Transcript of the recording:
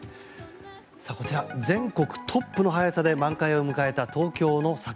こちら全国トップの早さで満開を迎えた東京の桜。